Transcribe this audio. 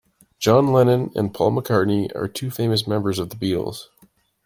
John Lennon and Paul McCartney are two famous members of the Beatles.